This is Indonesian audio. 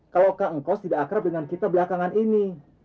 kalau kak ngkos tidak akrab dengan kita belakangan ini